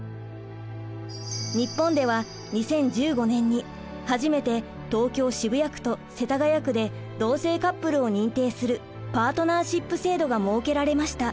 日本では２０１５年に初めて東京・渋谷区と世田谷区で同性カップルを認定するパートナーシップ制度が設けられました。